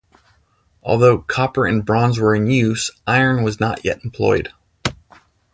Although copper and bronze were in use, iron was not yet employed.